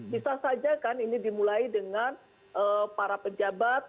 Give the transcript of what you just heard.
bisa saja kan ini dimulai dengan para pejabat